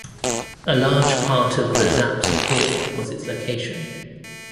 A large part of The Zap's appeal was its location.